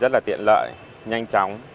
rất là tiện lợi nhanh chóng